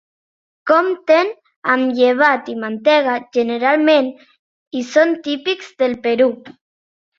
Compten amb llevat i mantega generalment i són típics del Perú.